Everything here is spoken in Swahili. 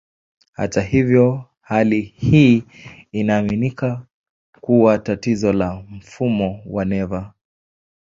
Hata hivyo, hali hii inaaminika kuwa tatizo la mfumo wa neva.